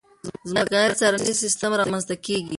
ځمکنی څارنیز سیستم رامنځته کېږي.